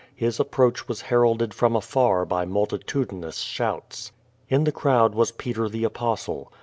His approach was heralded from afar by multitudinous shouts. In the crowd was Peter the Apostle.